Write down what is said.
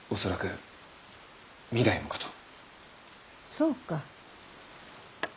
そうか。